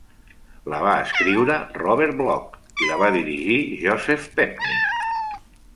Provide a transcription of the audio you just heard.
La va escriure Robert Bloch i la va dirigir Joseph Pevney.